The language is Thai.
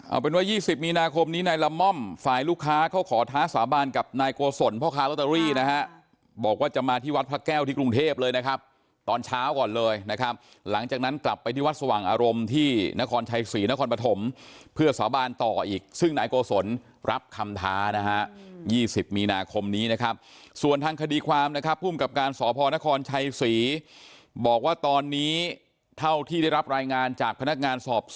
เอาเป็นว่า๒๐มีนาคมนี้ในละม่อมฝ่ายลูกค้าเขาขอท้าสาบานกับนายโกศลพ่อค้าลอตเตอรี่นะฮะบอกว่าจะมาที่วัดพระแก้วที่กรุงเทพเลยนะครับตอนเช้าก่อนเลยนะครับหลังจากนั้นกลับไปที่วัดสว่างอารมณ์ที่นครชัยศรีนครปฐมเพื่อสาบานต่ออีกซึ่งนายโกศลรับคำท้านะฮะ๒๐มีนาคมนี้นะครับส่วนทาง